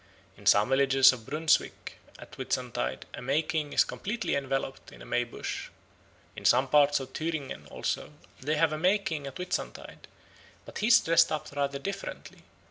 In some villages of Brunswick at Whitsuntide a May King is completely enveloped in a May bush. In some parts of Thüringen also they have a May King at Whitsuntide, but he is dressed up rather differently.